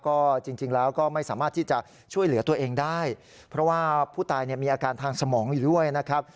ก็จริงแล้วก็ไม่สามารถที่จะช่วยเหลือตัวเองได้เพราะว่าผู้ตายเนี่ยมีอาการทางสมองอยู่ด้วยนะครับ